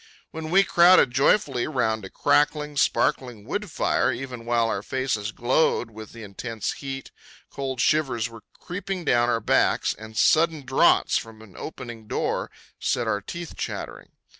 When we crowded joyfully round a crackling, sparkling wood fire, even while our faces glowed with the intense heat, cold shivers were creeping down our backs, and sudden draughts from an opening door set our teeth chattering.